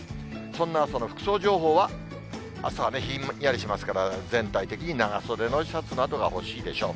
そんなあすの服装情報は、朝はひんやりしますから、全体的に長袖のシャツなどが欲しいでしょう。